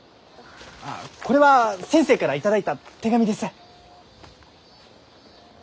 ああこれは先生から頂いた手紙です。